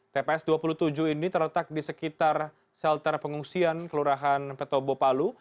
tps dua puluh tujuh ini terletak di sekitar shelter pengungsian kelurahan petobo palu